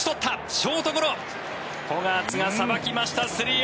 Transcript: ショートゴロボガーツがさばきました。